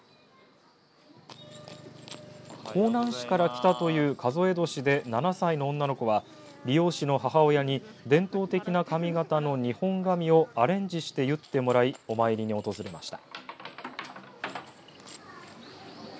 香南市から来たという数え年で７歳の女の子は美容師の母親に伝統的な髪型の日本髪をアレンジして結ってもらいお参りに訪れました。